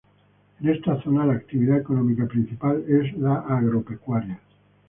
En esta zona, la actividad económica principal es la agropecuaria.